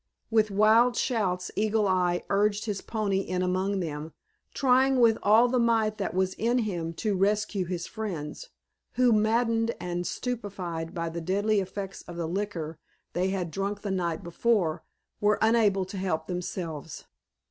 With wild shouts Eagle Eye urged his pony in among them, trying with all the might that was in him to rescue his friends, who, maddened and stupefied by the deadly effects of the liquor they had drunk the night before, were unable to help themselves.